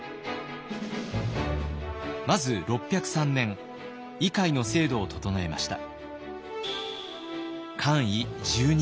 まず６０３年位階の制度を整えました。